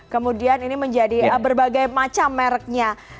kemudian ini menjadi berbagai macam mereknya